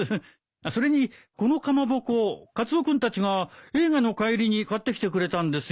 それにこのかまぼこカツオ君たちが映画の帰りに買ってきてくれたんですよ。